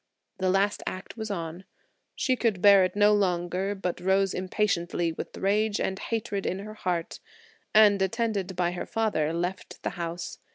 The last act was on. She could bear it no longer, but rose impatiently, with rage and hatred in her heart, and attended by her father, left the house.